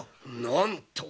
なんと！